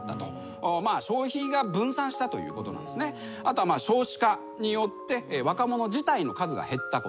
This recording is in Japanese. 後は少子化によって若者自体の数が減ったこと。